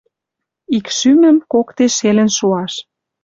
Ик шӱмӹм коктеш шелӹн шуаш.